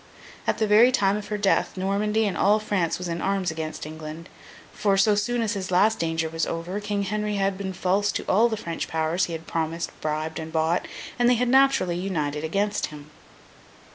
At the very time of her death, Normandy and all France was in arms against England; for, so soon as his last danger was over, King Henry had been false to all the French powers he had promised, bribed, and bought, and they had naturally united against him.